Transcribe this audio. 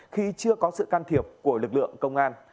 khi chưa có sự can thiệp của lực lượng công an